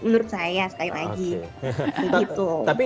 menurut saya sekali lagi